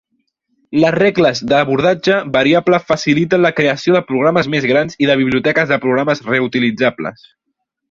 Les regles d'abordatge variable faciliten la creació de programes més grans i de biblioteques de programes reutilitzables.